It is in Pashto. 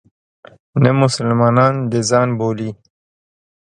نه مسلمانان د ځان بولي.